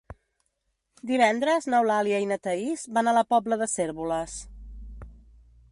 Divendres n'Eulàlia i na Thaís van a la Pobla de Cérvoles.